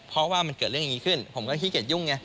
เพราะว่ามันเกิดเรื่องอย่างนี้ขึ้นผมก็ขี้เกียจยุ่งไง